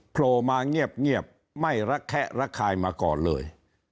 โผล่มาเงียบไม่ระแคะระคายมาก่อนเลย